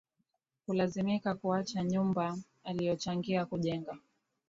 Kulazimika kuacha nyumba aliyochangia kujenga